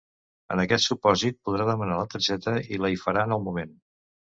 En aquest supòsit podrà demanar la targeta i la hi faran al moment.